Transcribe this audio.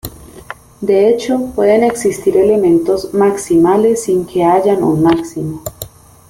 De hecho, pueden existir elementos maximales sin que haya un máximo.